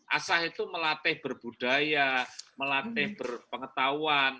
asah itu melatih berbudaya melatih berpengetahuan